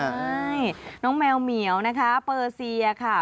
นายนี้น้องแมวเหมียวนะคะเปอร์เซียด้วยค่ะ